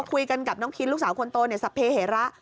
คุยกันกับน้องพินลูกสาวคนโตสัพเฮระ